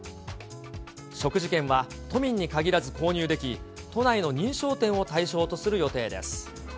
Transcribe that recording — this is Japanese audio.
食事券は、都民に限らず購入でき、都内の認証店を対象とする予定です。